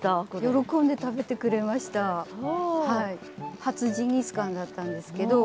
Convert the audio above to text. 初ジンギスカンだったんですけど。